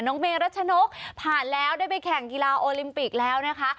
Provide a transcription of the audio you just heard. เมรัชนกผ่านแล้วได้ไปแข่งกีฬาโอลิมปิกแล้วนะคะ